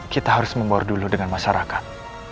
kita harus membawa dulu dengan masyarakat